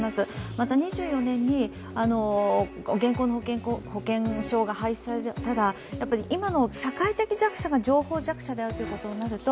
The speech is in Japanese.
また２４年に現行の保険証が廃止されますが今の社会的な弱視が情報弱者であるということになると